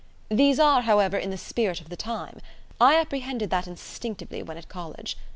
These are, however, in the spirit of the time. I apprehended that instinctively when at College.